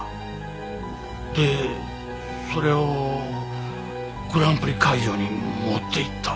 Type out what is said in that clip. でそれをグランプリ会場に持っていった。